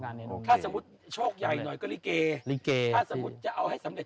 ถ้าเกิดช่วกใหญ่หน่อยก็ลีเกย์